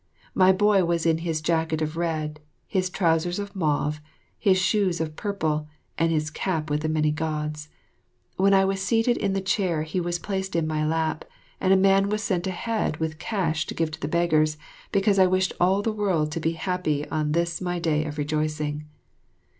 My boy was in his jacket of red, his trousers of mauve, his shoes of purple, and his cap with the many Gods. When I was seated in the chair he was placed in my lap, and a man was sent ahead with cash to give the beggars, because I wished all the world to be happy on this my day of rejoicing.